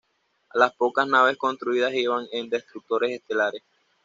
Las pocas naves construidas iban en destructores estelares.